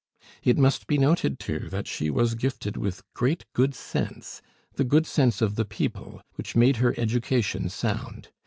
It must be noted, too, that she was gifted with great good sense the good sense of the people, which made her education sound.